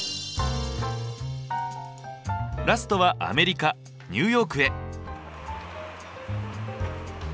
ラストはアメリカニューヨークへ。